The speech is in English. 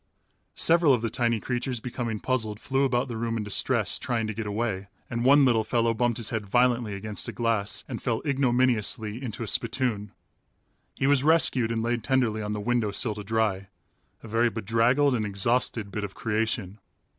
Several of the tiny creatures becoming puzzled flew about the room in distress, trying to get away, and one little fellow bumped his head violently against a glass and fell ignominiously into a spittoon. He was rescued and laid tenderly on the window sill to dry, a very bedraggled and exhausted bit of creation.